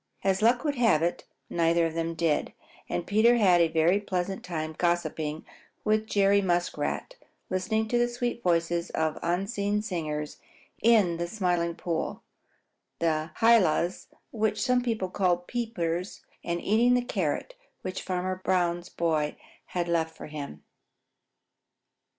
As luck would have it, neither of them did, and Peter had a very pleasant time gossiping with Jerry Muskrat, listening to the sweet voices of unseen singers in the Smiling Pool, the Hylas, which some people call peepers, and eating the carrot which Farmer Brown's boy had left for him.